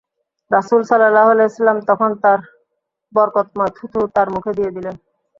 রাসূল সাল্লাল্লাহু আলাইহি ওয়াসাল্লাম তখন তাঁর বরকতময় থুথু তাঁর মুখে দিয়ে দিলেন।